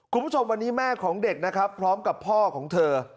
คุณผู้ชมวันนี้แม่ของเด็กนะครับพร้อมกับพ่อของเธอ